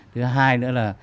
thứ hai nữa là